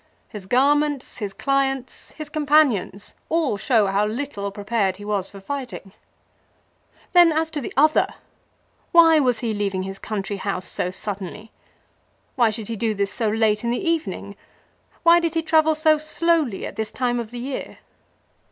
His garments, his clients, his companions, all show how little prepared he was for fighting. Then as to the other, why was he leaving his country house so suddenly ? 1 Ca. ii. 2 Ca. v. VOL. II. G 82 LIFE OF CICERO. Why should he do this so late in the evening ? Why did he travel so slowly at this time of the year?